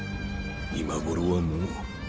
今頃はもう。